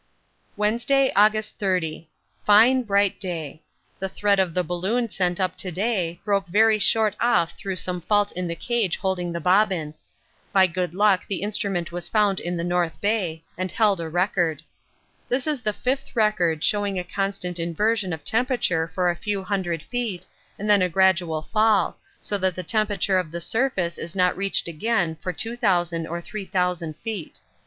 Wednesday, August 30. Fine bright day. The thread of the balloon sent up to day broke very short off through some fault in the cage holding the bobbin. By good luck the instrument was found in the North Bay, and held a record. This is the fifth record showing a constant inversion of temperature for a few hundred feet and then a gradual fall, so that the temperature of the surface is not reached again for 2000 or 3000 feet.